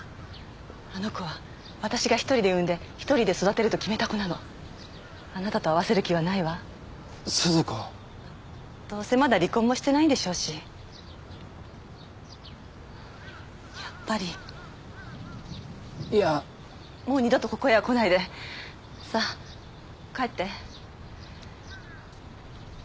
あの子は私が１人で産んで１人で育てると決めた子なのあなたと会わせる気はないわ鈴子どうせまだ離婚もしてないんでしょうしやっぱりいやもう二度とここへは来ないでさぁ帰ってわぁー！